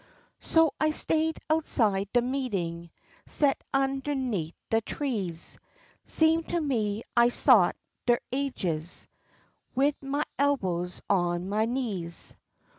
So I stay'd outside de meetin', set'n underneat' de trees, Seemed to me I sot der ages, wid ma elbows on ma knees.